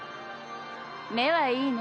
目はいいね。